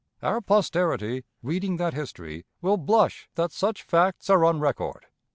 Our posterity, reading that history, will blush that such facts are on record.